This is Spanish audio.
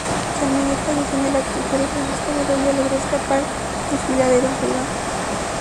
San Miguel falleció en el acto, pero Francisco Bedoya logró escapar desfiladero arriba.